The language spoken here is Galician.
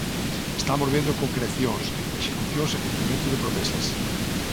Estamos vendo concrecións, execucións e cumprimento de promesas.